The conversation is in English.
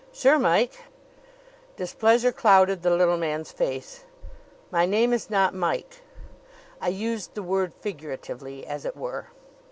"Sure, Mike!" Displeasure clouded the little man's face. "My name is not Mike." "I used the word figuratively, as it were."